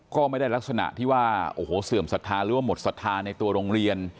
ก็ไม่ได้ลักษณะที่ว่าโอ้โหเสื่อมศรัทธาหรือว่าหมดศรัทธาในตัวโรงเรียน